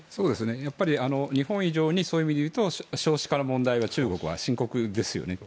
やっぱり日本以上にそういう意味でいうと少子化の問題は中国は深刻ですよね。